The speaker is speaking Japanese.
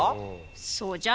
そうじゃ。